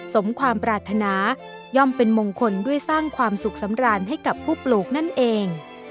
สมความปรารถนาย่อมเป็นมงคลด้วยสร้างความสุขสำราญให้กับผู้ปลูกนั่นเอง